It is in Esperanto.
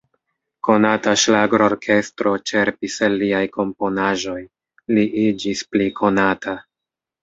Konata ŝlagrorkestro ĉerpis el liaj komponaĵoj, li iĝis pli konata.